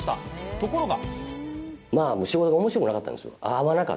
ところが。